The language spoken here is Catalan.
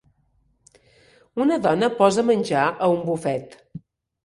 Una dona posa menjar a un bufet.